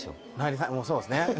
もうそうですね。